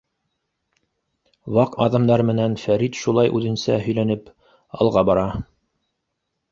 — Ваҡ аҙымдар менән Фәрит шулай үҙенсә һөйләнеп алға бара.